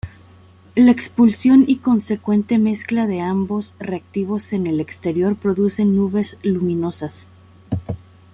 La expulsión y consecuente mezcla de ambos reactivos en el exterior producen nubes luminosas.